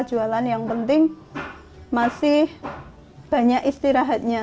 jualan yang penting masih banyak istirahatnya